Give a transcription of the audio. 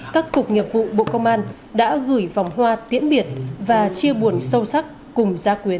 các cục nghiệp vụ bộ công an đã gửi vòng hoa tiễn biệt và chia buồn sâu sắc cùng gia quyến